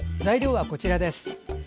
材料はこちらです。